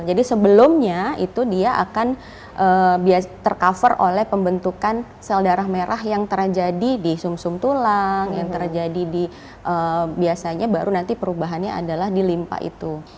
sebelumnya itu dia akan tercover oleh pembentukan sel darah merah yang terjadi di sum sum tulang yang terjadi di biasanya baru nanti perubahannya adalah di limpa itu